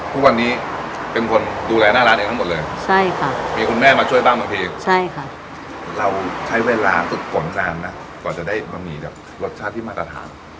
ทุกวันนี้เป็นคนดูแลหน้าร้านเองทั้งหมดเลยใช่ค่ะมีคุณแม่มาช่วยบ้างบางทีใช่ค่ะเราใช้เวลาฝึกฝนนานไหมกว่าจะได้บะหมี่แบบรสชาติที่มาตรฐาน